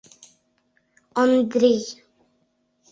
Ондрий.